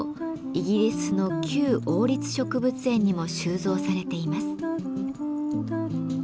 イギリスのキュー王立植物園にも収蔵されています。